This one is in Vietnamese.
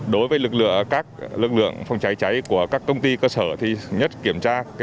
đối với lực lượng phòng cháy cháy của các công ty cơ sở thì nhất kiểm tra